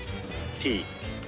Ｔ。